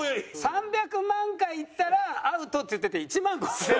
「３００万回いったらアウト」って言ってて１万５０００。